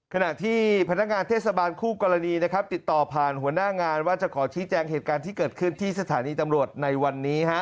ขณะที่พนักงานเทศบาลคู่กรณีนะครับติดต่อผ่านหัวหน้างานว่าจะขอชี้แจงเหตุการณ์ที่เกิดขึ้นที่สถานีตำรวจในวันนี้